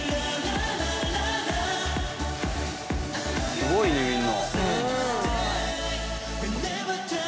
すごいね、みんな。